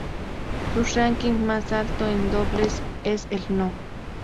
Sus ránking más alto en dobles es el No.